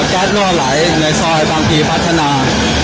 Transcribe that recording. แก๊สน่วนไหลในซอยบางทีพัฒนา